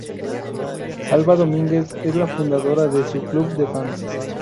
Alba Domínguez, es la fundadora de su club de fans.